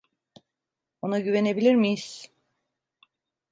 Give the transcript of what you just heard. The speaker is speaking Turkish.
Ona güvenebilir miyiz?